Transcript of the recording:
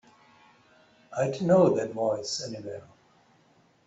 I'd know that voice anywhere.